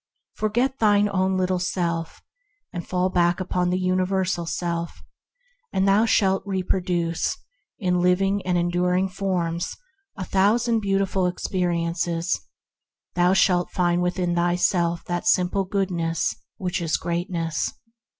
Forget thine own little self, and fall back upon the Universal self, and thou shalt reproduce in living and enduring forms a thousand beautiful experiences; thou shalt find within thyself the simple goodness that is greatness.